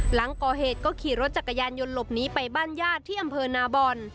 หลังก่อเหตุก็ขี่รถจักรยานยนต์หลบหนีไปบ้านญาติที่อำเภอนาบอล